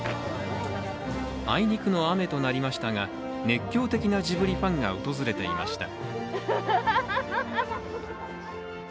あいにくの雨となりましたが熱狂的なジブリファンが訪れていました。